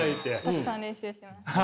たくさん練習します。